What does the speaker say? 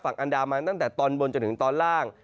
อันดามันตั้งแต่ตอนบนจนถึงตอนล่าง